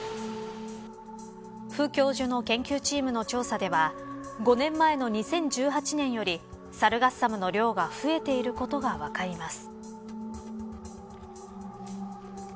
フ教授の研究チームの調査では５年前の２０１８年よりサルガッサムの量が増えていることが分かります。